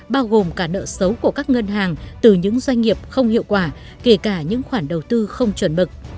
bao gồm cả nợ xấu của các ngân hàng từ những doanh nghiệp không hiệu quả kể cả những khoản đầu tư không chuẩn mực